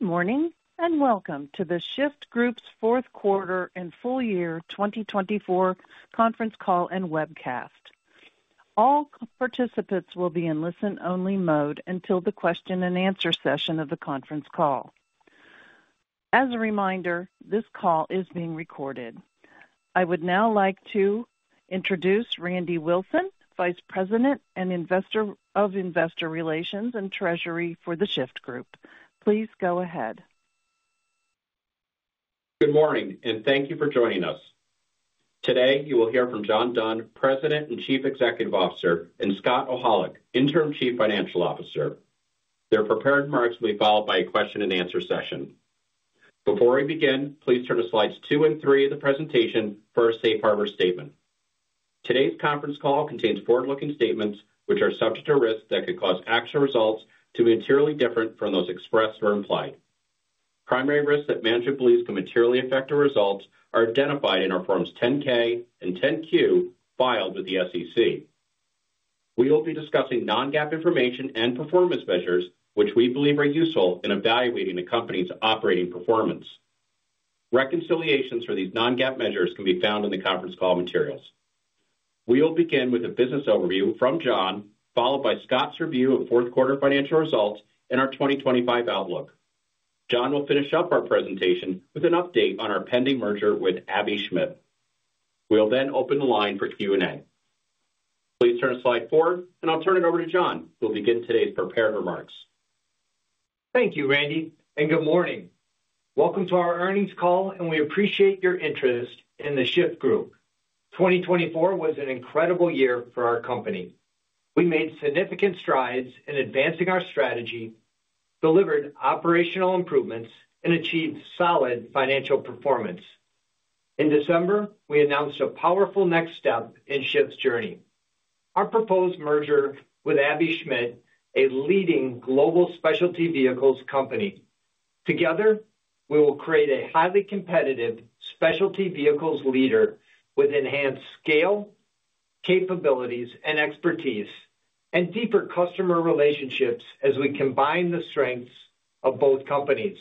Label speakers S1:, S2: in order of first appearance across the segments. S1: Good morning and welcome to the Shyft Group's fourth quarter and full year 2024 conference call and webcast. All participants will be in listen-only mode until the question and answer session of the conference call. As a reminder, this call is being recorded. I would now like to introduce Randy Wilson, Vice President of Investor Relations and Treasury for the Shyft Group. Please go ahead.
S2: Good morning and thank you for joining us. Today you will hear from John Dunn, President and Chief Executive Officer, and Scott Ocholik, Interim Chief Financial Officer. Their prepared remarks will be followed by a question and answer session. Before we begin, please turn to slides two and three of the presentation for a safe harbor statement. Today's conference call contains forward-looking statements which are subject to risks that could cause actual results to be materially different from those expressed or implied. Primary risks that management believes can materially affect our results are identified in our Forms 10-K and 10-Q filed with the SEC. We will be discussing non-GAAP information and performance measures which we believe are useful in evaluating a company's operating performance. Reconciliations for these non-GAAP measures can be found in the conference call materials. We will begin with a business overview from John, followed by Scott's review of fourth quarter financial results and our 2025 outlook. John will finish up our presentation with an update on our pending merger with Aebi Schmidt. We'll then open the line for Q&A. Please turn to slide four and I'll turn it over to John who will begin today's prepared remarks.
S3: Thank you, Randy, and good morning. Welcome to our earnings call, and we appreciate your interest in the Shyft Group. 2024 was an incredible year for our company. We made significant strides in advancing our strategy, delivered operational improvements, and achieved solid financial performance. In December, we announced a powerful next step in Shyft's journey. Our proposed merger with Aebi Schmidt, a leading global Specialty Vehicles company. Together, we will create a highly competitive Specialty Vehicles leader with enhanced scale, capabilities, and expertise, and deeper customer relationships as we combine the strengths of both companies.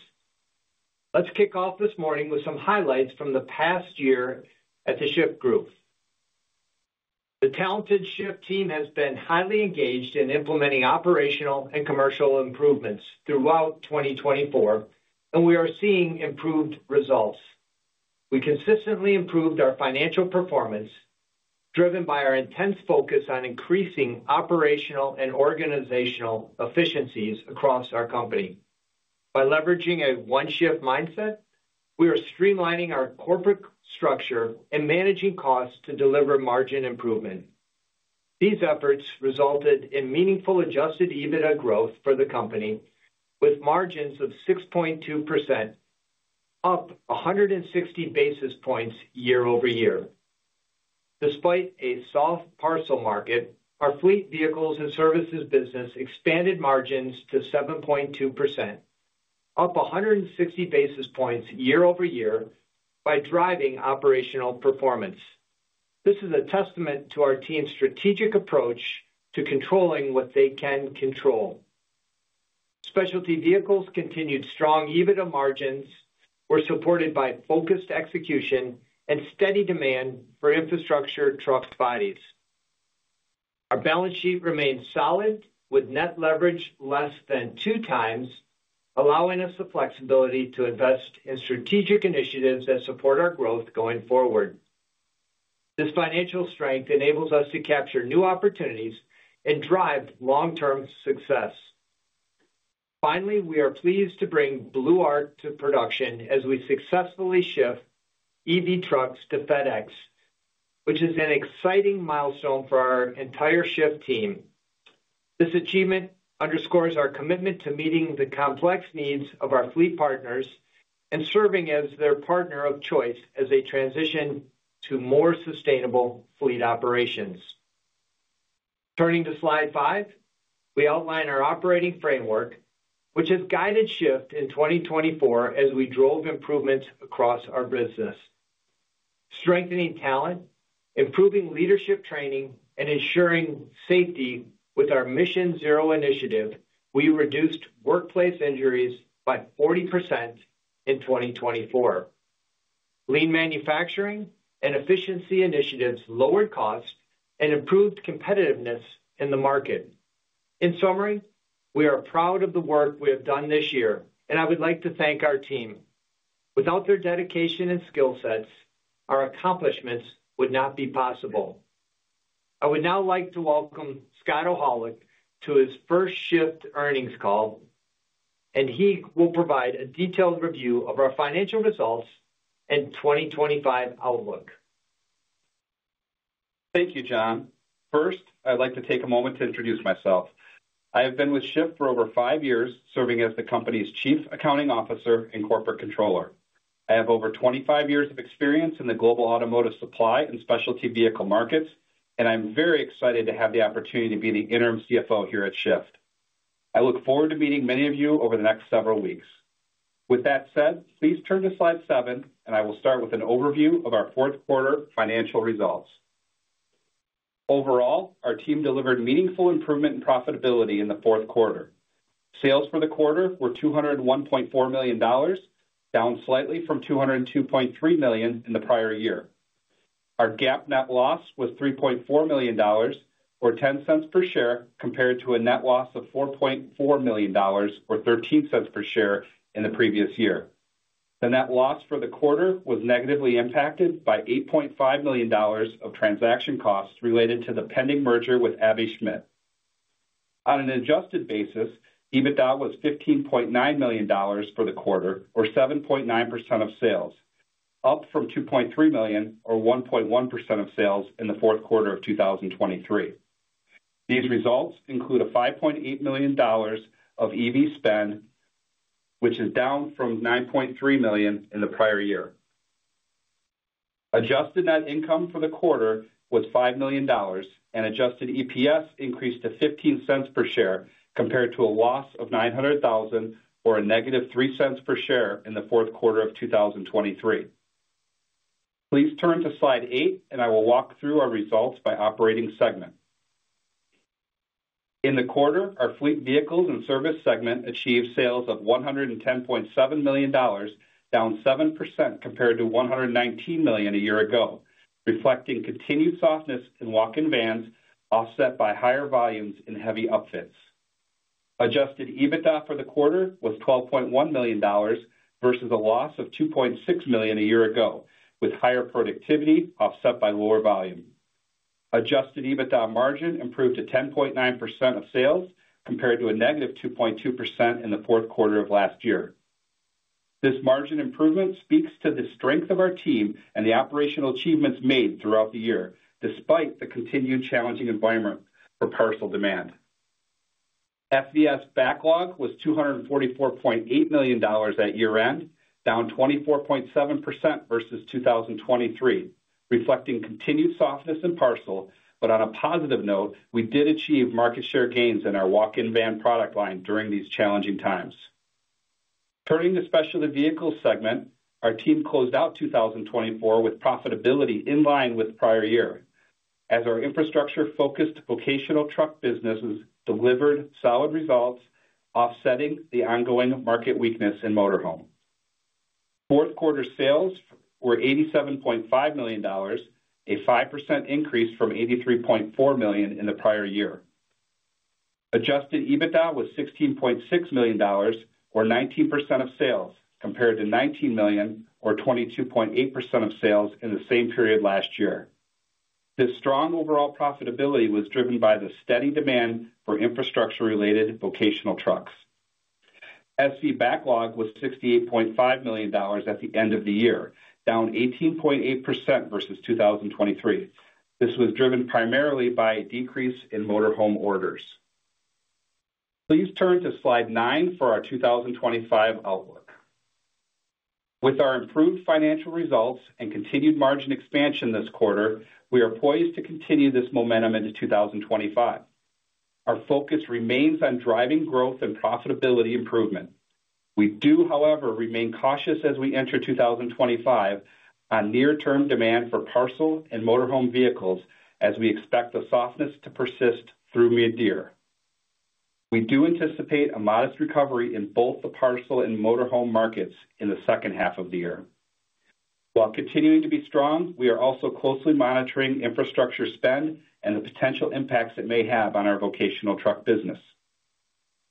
S3: Let's kick off this morning with some highlights from the past year at the Shyft Group. The talented Shyft team has been highly engaged in implementing operational and commercial improvements throughout 2024, and we are seeing improved results. We consistently improved our financial performance, driven by our intense focus on increasing operational and organizational efficiencies across our company. By leveraging a One Shyft mindset, we are streamlining our corporate structure and managing costs to deliver margin improvement. These efforts resulted in meaningful Adjusted EBITDA growth for the company, with margins of 6.2%, up 160 basis points year over year. Despite a soft parcel market, our Fleet Vehicles and Services business expanded margins to 7.2%, up 160 basis points year over year by driving operational performance. This is a testament to our team's strategic approach to controlling what they can control. Specialty Vehicles continued strong EBITDA margins, were supported by focused execution and steady demand for infrastructure truck bodies. Our balance sheet remained solid, with net leverage less than two times, allowing us the flexibility to invest in strategic initiatives that support our growth going forward. This financial strength enables us to capture new opportunities and drive long-term success. Finally, we are pleased to bring Blue Arc to production as we successfully ship EV trucks to FedEx, which is an exciting milestone for our entire Shyft team. This achievement underscores our commitment to meeting the complex needs of our fleet partners and serving as their partner of choice as they transition to more sustainable fleet operations. Turning to slide five, we outline our operating framework, which has guided Shyft in 2024 as we drove improvements across our business. Strengthening talent, improving leadership training, and ensuring safety with our Mission Zero initiative, we reduced workplace injuries by 40% in 2024. Lean manufacturing and efficiency initiatives lowered costs and improved competitiveness in the market. In summary, we are proud of the work we have done this year, and I would like to thank our team. Without their dedication and skill sets, our accomplishments would not be possible. I would now like to welcome Scott Ocholik to his first Shyft earnings call, and he will provide a detailed review of our financial results and 2025 outlook.
S4: Thank you, John. First, I'd like to take a moment to introduce myself. I have been with Shyft for over five years, serving as the company's Chief Accounting Officer and Corporate Controller. I have over 25 years of experience in the global automotive supply and Specialty Vehicle markets, and I'm very excited to have the opportunity to be the Interim CFO here at Shyft. I look forward to meeting many of you over the next several weeks. With that said, please turn to slide seven, and I will start with an overview of our fourth quarter financial results. Overall, our team delivered meaningful improvement in profitability in the fourth quarter. Sales for the quarter were $201.4 million, down slightly from $202.3 million in the prior year. Our GAAP net loss was $3.4 million, or $0.10 per share, compared to a net loss of $4.4 million, or $0.13 per share in the previous year. The net loss for the quarter was negatively impacted by $8.5 million of transaction costs related to the pending merger with Aebi Schmidt. On an adjusted basis, EBITDA was $15.9 million for the quarter, or 7.9% of sales, up from $2.3 million, or 1.1% of sales in the fourth quarter of 2023. These results include a $5.8 million of EV spend, which is down from $9.3 million in the prior year. Adjusted net income for the quarter was $5 million, and adjusted EPS increased to $0.15 per share compared to a loss of $900,000, or a negative $0.03 per share in the fourth quarter of 2023. Please turn to slide eight, and I will walk through our results by operating segment. In the quarter, our Fleet Vehicles and Services segment achieved sales of $110.7 million, down 7% compared to $119 million a year ago, reflecting continued softness in walk-in vans offset by higher volumes in heavy upfits. Adjusted EBITDA for the quarter was $12.1 million versus a loss of $2.6 million a year ago, with higher productivity offset by lower volume. Adjusted EBITDA margin improved to 10.9% of sales compared to a negative 2.2% in the fourth quarter of last year. This margin improvement speaks to the strength of our team and the operational achievements made throughout the year, despite the continued challenging environment for parcel demand. SV backlog was $244.8 million at year-end, down 24.7% versus 2023, reflecting continued softness in parcel, but on a positive note, we did achieve market share gains in our walk-in van product line during these challenging times. Turning to Specialty Vehicles segment, our team closed out 2024 with profitability in line with prior year, as our infrastructure-focused vocational truck businesses delivered solid results, offsetting the ongoing market weakness in motorhome. Fourth quarter sales were $87.5 million, a 5% increase from $83.4 million in the prior year. Adjusted EBITDA was $16.6 million, or 19% of sales, compared to $19 million, or 22.8% of sales in the same period last year. This strong overall profitability was driven by the steady demand for infrastructure-related vocational trucks. SV backlog was $68.5 million at the end of the year, down 18.8% versus 2023. This was driven primarily by a decrease in motorhome orders. Please turn to slide nine for our 2025 outlook. With our improved financial results and continued margin expansion this quarter, we are poised to continue this momentum into 2025. Our focus remains on driving growth and profitability improvement. We do, however, remain cautious as we enter 2025 on near-term demand for parcel and motorhome vehicles, as we expect the softness to persist through mid-year. We do anticipate a modest recovery in both the parcel and motorhome markets in the second half of the year. While continuing to be strong, we are also closely monitoring infrastructure spend and the potential impacts it may have on our vocational truck business.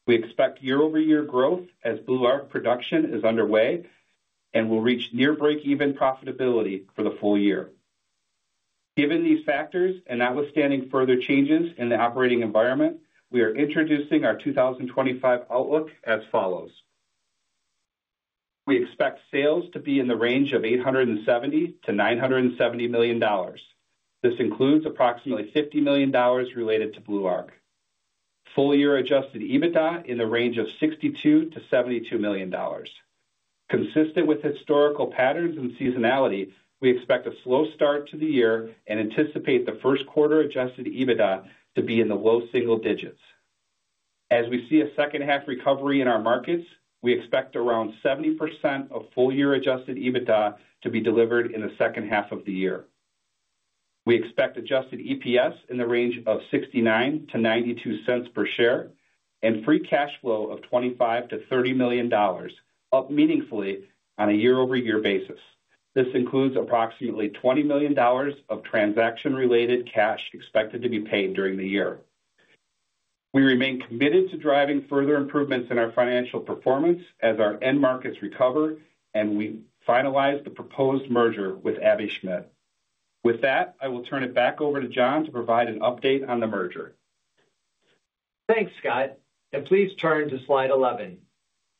S4: We expect year-over-year growth as Blue Arc production is underway and will reach near break-even profitability for the full year. Given these factors and notwithstanding further changes in the operating environment, we are introducing our 2025 outlook as follows. We expect sales to be in the range of $870-$970 million. This includes approximately $50 million related to Blue Arc. Full-year adjusted EBITDA in the range of $62-$72 million. Consistent with historical patterns and seasonality, we expect a slow start to the year and anticipate the first quarter adjusted EBITDA to be in the low single digits. As we see a second-half recovery in our markets, we expect around 70% of full-year adjusted EBITDA to be delivered in the second half of the year. We expect adjusted EPS in the range of $0.69-$0.92 per share and free cash flow of $25-$30 million, up meaningfully on a year-over-year basis. This includes approximately $20 million of transaction-related cash expected to be paid during the year. We remain committed to driving further improvements in our financial performance as our end markets recover, and we finalize the proposed merger with Aebi Schmidt. With that, I will turn it back over to John to provide an update on the merger.
S3: Thanks, Scott, and please turn to slide 11.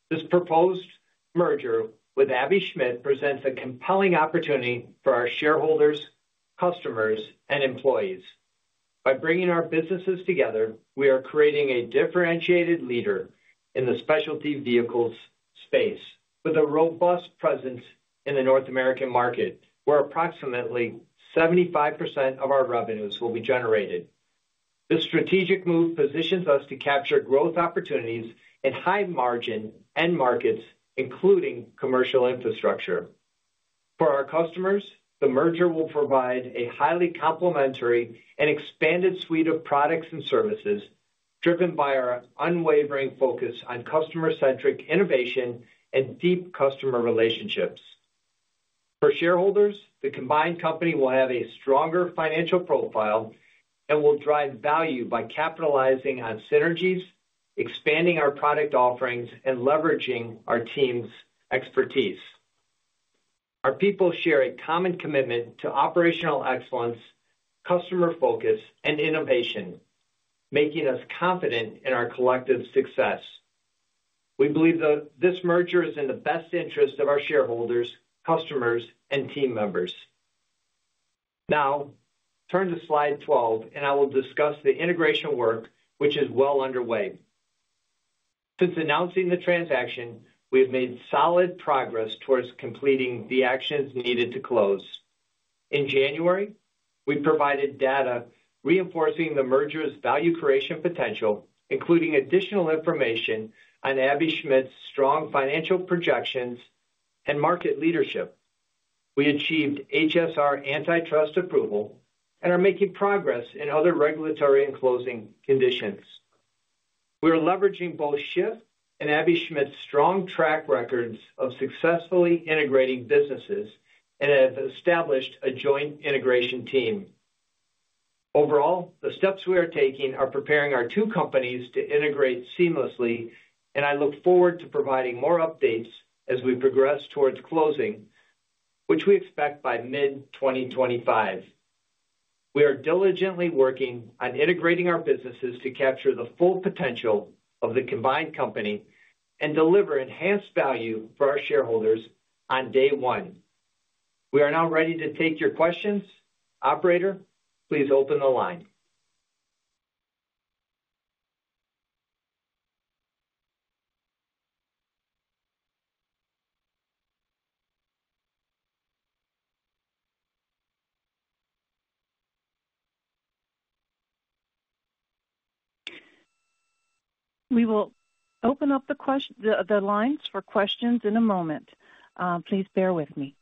S3: This proposed merger with Aebi Schmidt presents a compelling opportunity for our shareholders, customers, and employees. By bringing our businesses together, we are creating a differentiated leader in the Specialty Vehicles space with a robust presence in the North American market, where approximately 75% of our revenues will be generated. This strategic move positions us to capture growth opportunities in high-margin end markets, including commercial infrastructure. For our customers, the merger will provide a highly complementary and expanded suite of products and services driven by our unwavering focus on customer-centric innovation and deep customer relationships. For shareholders, the combined company will have a stronger financial profile and will drive value by capitalizing on synergies, expanding our product offerings, and leveraging our team's expertise. Our people share a common commitment to operational excellence, customer focus, and innovation, making us confident in our collective success. We believe that this merger is in the best interest of our shareholders, customers, and team members. Now, turn to slide 12, and I will discuss the integration work, which is well underway. Since announcing the transaction, we have made solid progress towards completing the actions needed to close. In January, we provided data reinforcing the merger's value creation potential, including additional information on Aebi Schmidt's strong financial projections and market leadership. We achieved HSR antitrust approval and are making progress in other regulatory and closing conditions. We are leveraging both Shyft and Aebi Schmidt's strong track records of successfully integrating businesses and have established a joint integration team. Overall, the steps we are taking are preparing our two companies to integrate seamlessly, and I look forward to providing more updates as we progress towards closing, which we expect by mid-2025. We are diligently working on integrating our businesses to capture the full potential of the combined company and deliver enhanced value for our shareholders on day one. We are now ready to take your questions. Operator, please open the line.
S1: We will open up the lines for questions in a moment. Please bear with me.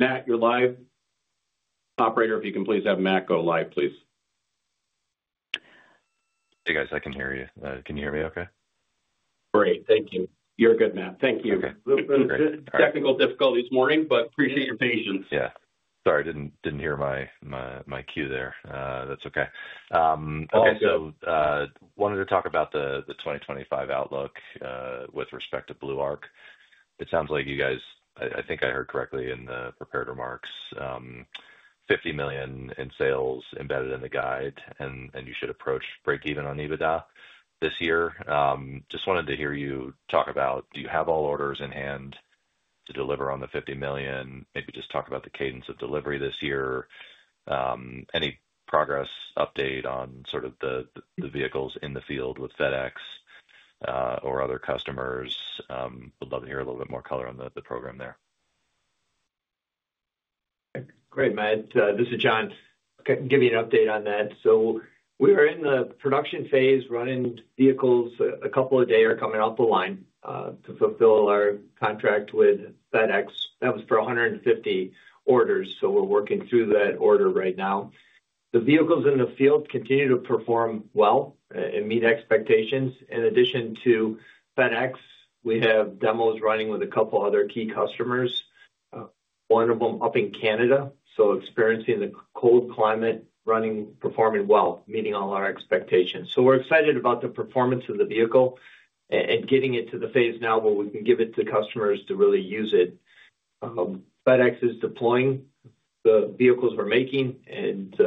S4: Matt, you're live. Operator, if you can please have Matt go live, please. Hey, guys. I can hear you. Can you hear me okay?
S3: Great. Thank you. You're good, Matt. Thank you.
S4: Okay. Technical difficulty this morning, but appreciate your patience. Yeah. Sorry, didn't hear my cue there. That's okay. Okay. Also, wanted to talk about the 2025 outlook with respect to Blue Arc. It sounds like you guys, I think I heard correctly in the prepared remarks, $50 million in sales embedded in the guide, and you should approach break-even on EBITDA this year. Just wanted to hear you talk about, do you have all orders in hand to deliver on the $50 million? Maybe just talk about the cadence of delivery this year. Any progress update on sort of the vehicles in the field with FedEx or other customers? Would love to hear a little bit more color on the program there.
S3: Great, Matt. This is John. Give me an update on that. We are in the production phase, running vehicles a couple of days are coming off the line to fulfill our contract with FedEx. That was for 150 orders, so we're working through that order right now. The vehicles in the field continue to perform well and meet expectations. In addition to FedEx, we have demos running with a couple of other key customers, one of them up in Canada, so experiencing the cold climate, running, performing well, meeting all our expectations, so we're excited about the performance of the vehicle and getting it to the phase now where we can give it to customers to really use it. FedEx is deploying the vehicles we're making and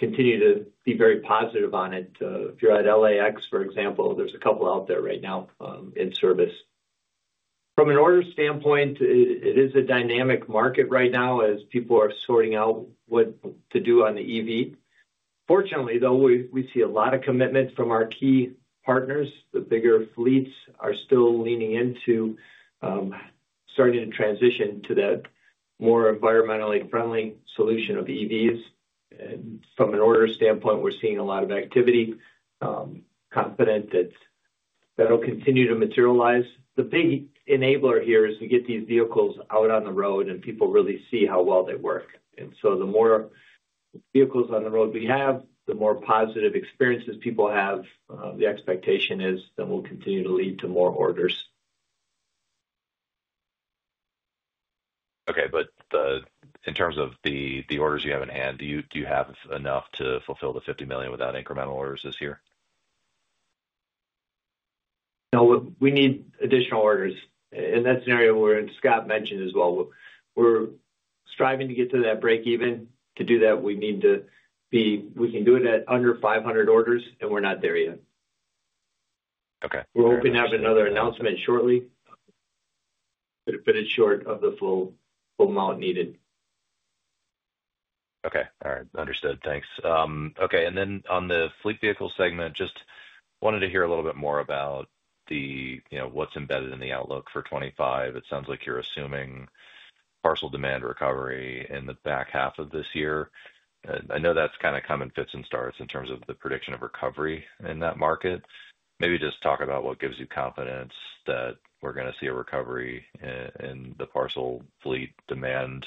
S3: continue to be very positive on it. If you're at LAX, for example, there's a couple out there right now in service. From an order standpoint, it is a dynamic market right now as people are sorting out what to do on the EV. Fortunately, though, we see a lot of commitment from our key partners. The bigger fleets are still leaning into starting to transition to that more environmentally friendly solution of EVs. And from an order standpoint, we're seeing a lot of activity, confident that that'll continue to materialize. The big enabler here is to get these vehicles out on the road and people really see how well they work. And so the more vehicles on the road we have, the more positive experiences people have, the expectation is that will continue to lead to more orders. Okay. But in terms of the orders you have in hand, do you have enough to fulfill the $50 million without incremental orders this year? No, we need additional orders. In that scenario, where Scott mentioned as well, we're striving to get to that break-even. To do that, we need to be. We can do it at under 500 orders, and we're not there yet. Okay. We're hoping to have another announcement shortly, but it's short of the full amount needed. Okay. All right. Understood. Thanks. Okay. And then on the fleet vehicle segment, just wanted to hear a little bit more about what's embedded in the outlook for 2025. It sounds like you're assuming parcel demand recovery in the back half of this year. I know that's kind of come in fits and starts in terms of the prediction of recovery in that market. Maybe just talk about what gives you confidence that we're going to see a recovery in the parcel fleet demand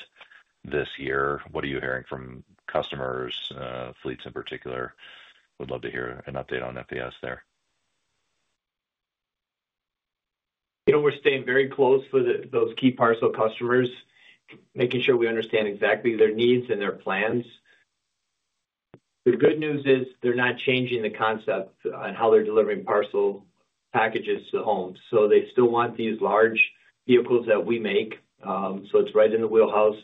S3: this year. What are you hearing from customers, fleets in particular? Would love to hear an update on FedEx there. We're staying very close with those key parcel customers, making sure we understand exactly their needs and their plans. The good news is they're not changing the concept on how they're delivering parcel packages to homes. So they still want these large vehicles that we make. So it's right in the wheelhouse.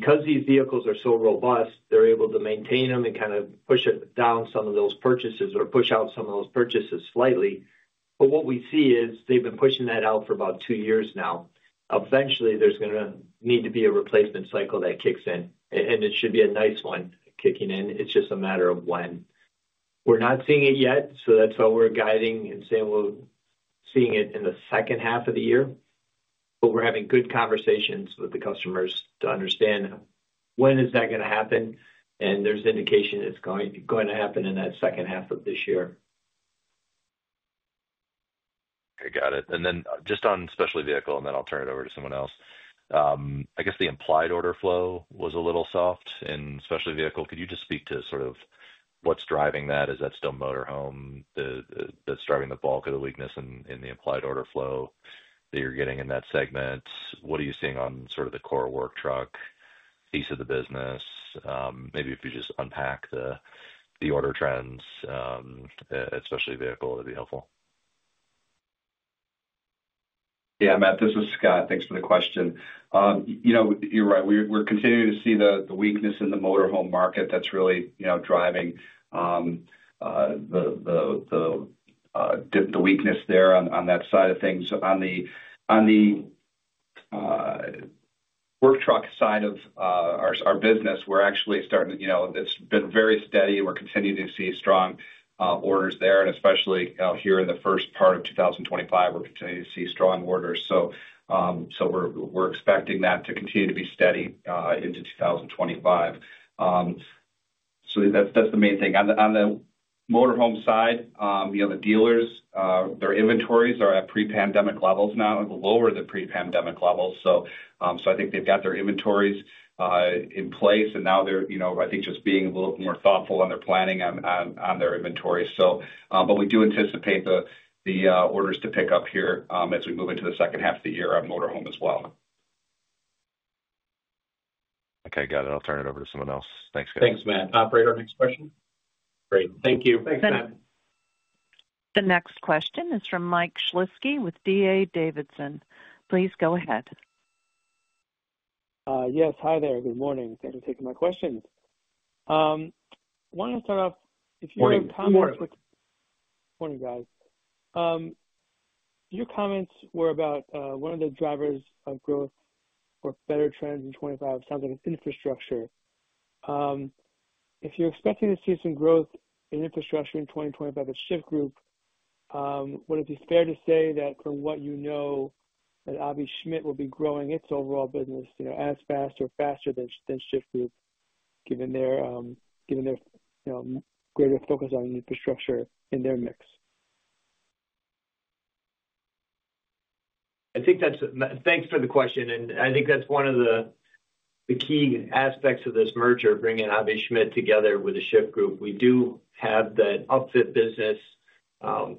S3: Because these vehicles are so robust, they're able to maintain them and kind of push it down some of those purchases or push out some of those purchases slightly. But what we see is they've been pushing that out for about two years now. Eventually, there's going to need to be a replacement cycle that kicks in, and it should be a nice one kicking in. It's just a matter of when. We're not seeing it yet, so that's why we're guiding and saying we're seeing it in the second half of the year. But we're having good conversations with the customers to understand when is that going to happen, and there's indication it's going to happen in that second half of this year. Okay. Got it. And then just on specialty vehicle, and then I'll turn it over to someone else. I guess the implied order flow was a little soft in specialty vehicle. Could you just speak to sort of what's driving that? Is that still motorhome that's driving the bulk of the weakness in the implied order flow that you're getting in that segment? What are you seeing on sort of the core work truck piece of the business? Maybe if you just unpack the order trends, Specialty Vehicles that'd be helpful.
S4: Yeah, Matt, this is Scott. Thanks for the question. You're right. We're continuing to see the weakness in the motorhome market that's really driving the weakness there on that side of things. On the work truck side of our business, we're actually starting. It's been very steady. We're continuing to see strong orders there, and especially here in the first part of 2025, we're continuing to see strong orders. So we're expecting that to continue to be steady into 2025. So that's the main thing. On the motorhome side, the dealers, their inventories are at pre-pandemic levels now and lower than pre-pandemic levels. So I think they've got their inventories in place, and now they're, I think, just being a little more thoughtful on their planning on their inventory. But we do anticipate the orders to pick up here as we move into the second half of the year on motorhome as well. Okay. Got it. I'll turn it over to someone else. Thanks, guys.
S3: Thanks, Matt. Operator, next question? Great. Thank you. Thanks, Matt.
S1: The next question is from Mike Shlisky with D.A. Davidson. Please go ahead.
S5: Yes. Hi there. Good morning. Thanks for taking my questions. I want to start off if you want to comment quick.
S3: Morning.
S5: Morning, guys. Your comments were about one of the drivers of growth or better trends in 2025. Sounds like infrastructure. If you're expecting to see some growth in infrastructure in 2025 at Shyft Group, would it be fair to say that from what you know that Aebi Schmidt will be growing its overall business as fast or faster than Shyft Group, given their greater focus on infrastructure in their mix?
S3: Thanks for the question, and I think that's one of the key aspects of this merger, bringing Aebi Schmidt together with The Shyft Group. We do have that upfit business,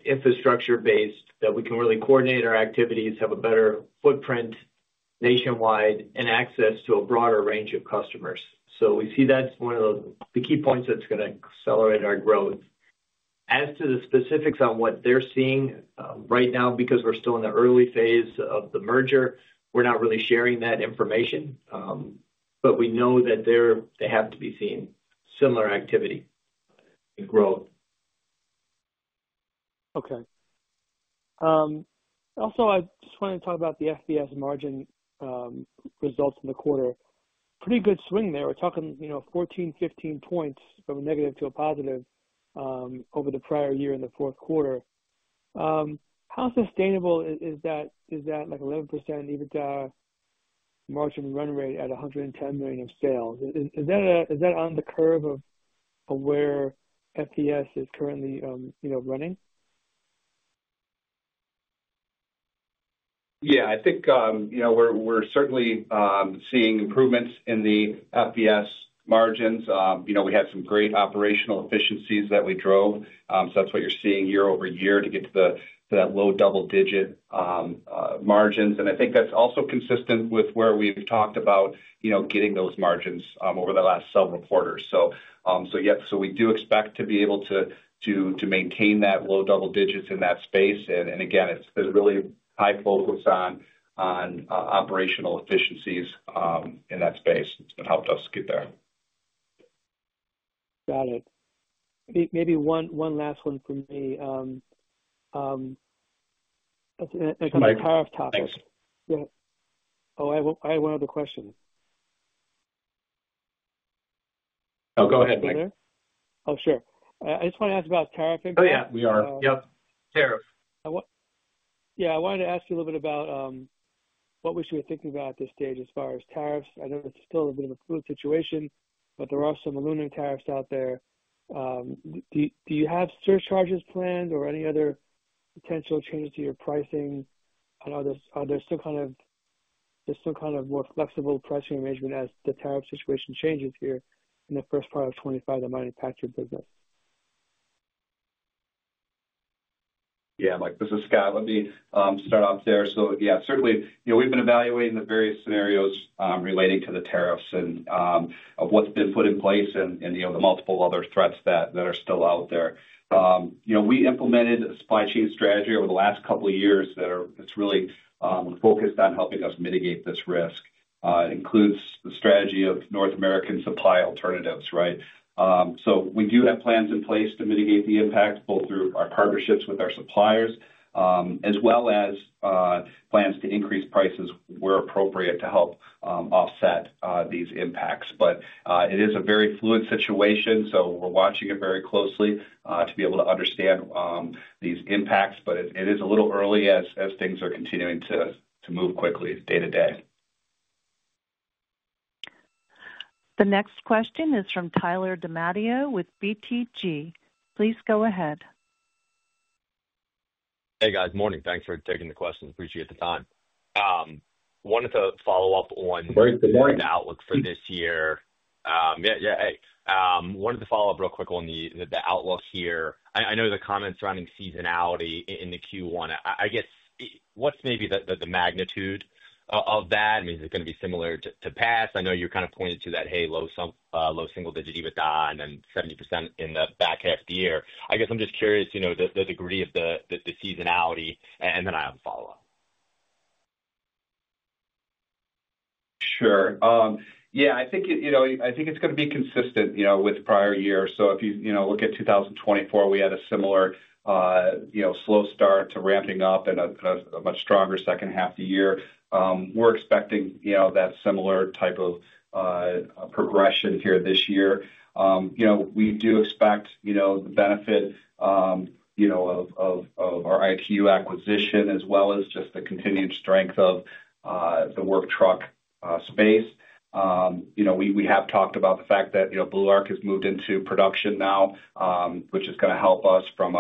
S3: infrastructure-based, that we can really coordinate our activities, have a better footprint nationwide, and access to a broader range of customers, so we see that's one of the key points that's going to accelerate our growth. As to the specifics on what they're seeing right now, because we're still in the early phase of the merger, we're not really sharing that information, but we know that they have to be seeing similar activity and growth.
S5: Okay. Also, I just wanted to talk about the FVS margin results in the quarter. Pretty good swing there. We're talking 14-15 points from a negative to a positive over the prior year in the fourth quarter. How sustainable is that 11% EBITDA margin run rate at $110 million of sales? Is that on the curve of where FVS is currently running?
S3: Yeah. I think we're certainly seeing improvements in the FVS margins. We had some great operational efficiencies that we drove. So that's what you're seeing year over year to get to that low double-digit margins. And I think that's also consistent with where we've talked about getting those margins over the last several quarters. So yep, so we do expect to be able to maintain that low double digits in that space. And again, there's really high focus on operational efficiencies in that space. It's been helped us get there.
S5: Got it. Maybe one last one from me. I'm talking about tariff topics.
S3: Thanks.
S5: Yeah. Oh, I have one other question.
S3: Oh, go ahead, Mike.
S5: Oh, sure. I just wanted to ask about tariff impact.
S3: Oh, yeah. We are. Yep. Tariff.
S5: Yeah. I wanted to ask you a little bit about what we should be thinking about at this stage as far as tariffs. I know it's still a bit of a fluid situation, but there are some aluminum tariffs out there. Do you have surcharges planned or any other potential changes to your pricing? Are there still kind of more flexible pricing arrangement as the tariff situation changes here in the first part of 2025 that might impact your business?
S3: Yeah. Mike, this is Scott. Let me start off there. So yeah, certainly, we've been evaluating the various scenarios relating to the tariffs and what's been put in place and the multiple other threats that are still out there. We implemented a supply chain strategy over the last couple of years that's really focused on helping us mitigate this risk. It includes the strategy of North American supply alternatives, right? So we do have plans in place to mitigate the impact, both through our partnerships with our suppliers as well as plans to increase prices where appropriate to help offset these impacts. But it is a very fluid situation, so we're watching it very closely to be able to understand these impacts, but it is a little early as things are continuing to move quickly day to day.
S1: The next question is from Tyler DiMatteo with BTIG. Please go ahead.
S6: Hey, guys. Morning. Thanks for taking the questions. Appreciate the time. Wanted to follow up on.
S3: Good morning.
S6: The outlook for this year. Yeah. Yeah. Hey. Wanted to follow up real quick on the outlook here. I know the comments surrounding seasonality in the Q1. I guess what's maybe the magnitude of that? I mean, is it going to be similar to past? I know you kind of pointed to that, hey, low single-digit EBITDA and then 70% in the back half of the year. I guess I'm just curious the degree of the seasonality, and then I have a follow-up.
S3: Sure. Yeah. I think it's going to be consistent with prior year, so if you look at 2024, we had a similar slow start to ramping up and a much stronger second half of the year. We're expecting that similar type of progression here this year. We do expect the benefit of our ITU acquisition as well as just the continued strength of the work truck space. We have talked about the fact that Blue Arc has moved into production now, which is going to help us from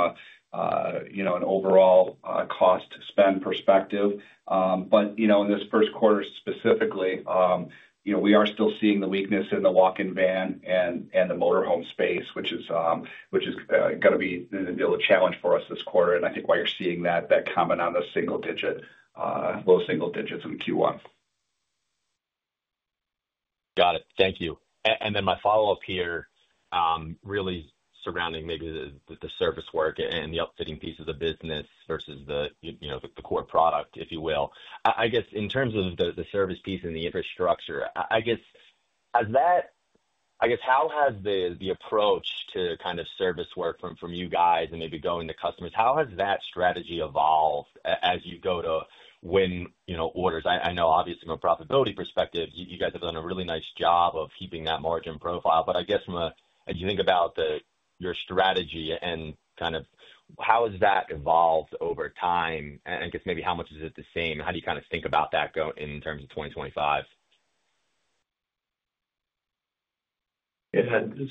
S3: an overall cost spend perspective, but in this first quarter specifically, we are still seeing the weakness in the walk-in van and the motor home space, which is going to be a challenge for us this quarter, and I think why you're seeing that comment on the single-digit, low single digits in Q1.
S6: Got it. Thank you, and then my follow-up here really surrounding maybe the service work and the upfitting pieces of business versus the core product, if you will. I guess in terms of the service piece and the infrastructure, I guess how has the approach to kind of service work from you guys and maybe going to customers, how has that strategy evolved as you go to win orders? I know obviously from a profitability perspective, you guys have done a really nice job of keeping that margin profile, but I guess if you think about your strategy and kind of how has that evolved over time? I guess maybe how much is it the same? How do you kind of think about that in terms of 2025?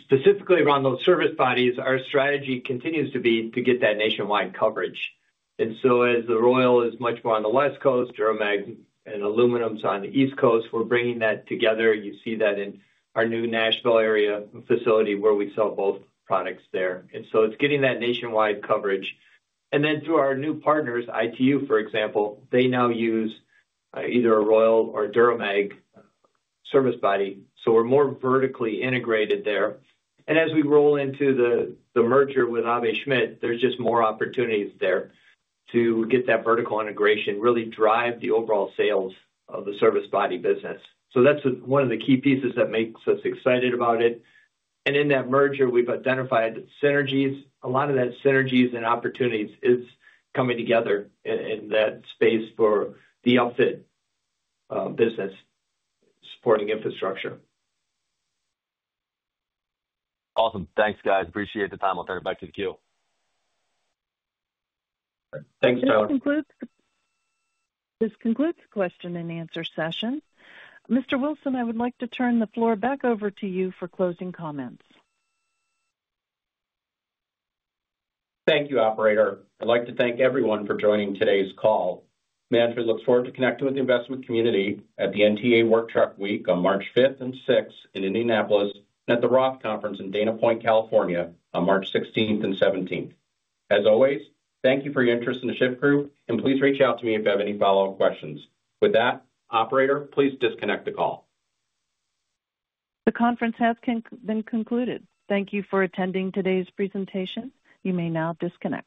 S3: Specifically around those service bodies, our strategy continues to be to get that nationwide coverage. And so as the Royal is much more on the West Coast, DuraMag and aluminum's on the East Coast, we're bringing that together. You see that in our new Nashville area facility where we sell both products there. And so it's getting that nationwide coverage. And then through our new partners, ITU, for example, they now use either a Royal or DuraMag service body. So we're more vertically integrated there. And as we roll into the merger with Aebi Schmidt, there's just more opportunities there to get that vertical integration, really drive the overall sales of the service body business. So that's one of the key pieces that makes us excited about it. And in that merger, we've identified synergies. A lot of that synergies and opportunities is coming together in that space for the upfit business supporting infrastructure.
S6: Awesome. Thanks, guys. Appreciate the time. I'll turn it back to the queue.
S3: Thanks, Tyler.
S1: This concludes the question and answer session. Mr. Wilson, I would like to turn the floor back over to you for closing comments.
S2: Thank you, Operator. I'd like to thank everyone for joining today's call. Management looks forward to connecting with the investment community at the NTEA Work Truck Week on March 5th and 6th in Indianapolis and at the Roth Conference in Dana Point, California on March 16th and 17th. As always, thank you for your interest in the Shyft Group, and please reach out to me if you have any follow-up questions. With that, Operator, please disconnect the call.
S1: The conference has been concluded. Thank you for attending today's presentation. You may now disconnect.